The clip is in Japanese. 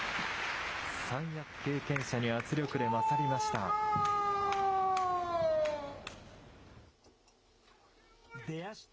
三役経験者に圧力で勝りました。